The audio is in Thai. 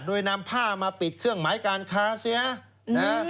โดยนำผ้ามาปิดเครื่องหมายการค้าใช่ไหม